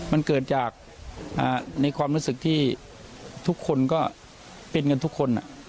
มันเกิดจากในความรู้สึกที่ทุกคนก็เป็นกันทุกคน